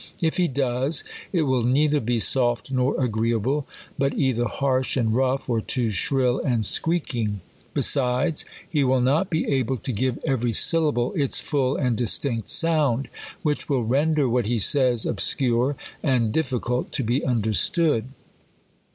If he does, it will neither be soft nor agreeable ; but either harsh and rough, or too shrill and squeaking. Besides, he will not be able to give every syllable its full and distinct sound ; which vr'Il render what he says obscure, and difficult to be understood.